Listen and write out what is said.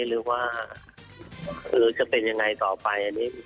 หรือว่าจะเป็นยังไงต่อไป